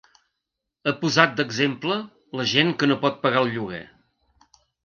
Ha posat d’exemple la gent que no pot pagar el lloguer.